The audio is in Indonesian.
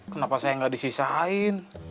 kenapa saya gak disisain